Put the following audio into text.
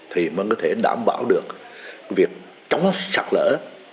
thì mới có thể đảm bảo được việc chống sạt lỡ